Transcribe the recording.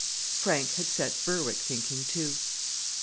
Frank had set Berwick thinking too.